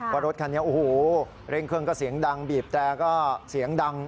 รถคันนี้โอ้โหเร่งเครื่องก็เสียงดังบีบแต่ก็เสียงดัง